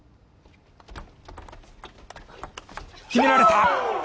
決められた！